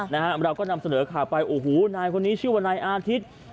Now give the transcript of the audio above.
นะฮะเราก็นำเสนอข่าวไปโอ้โหนายคนนี้ชื่อว่านายอาทิตย์